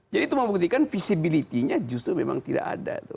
jadi itu membuktikan visibility nya justru memang tidak ada